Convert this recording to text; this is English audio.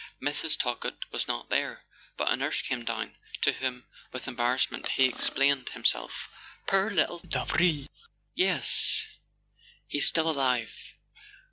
Mrs. Talkett was not there, but a nurse came down, to whom, with embarrassment, he explained himself. "Poor little Davril? Yes—he's still alive.